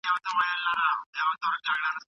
هغه له خپل استاد سره بحث کوي.